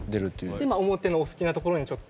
で表のお好きなところにちょっと。